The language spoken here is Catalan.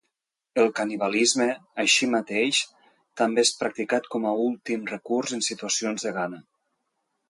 El canibalisme, així mateix, també és practicat com a últim recurs en situacions de gana.